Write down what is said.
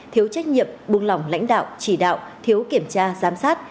thiếu trách nhiệm buông lỏng lãnh đạo chỉ đạo thiếu kiểm tra giám sát